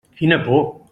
Quina por.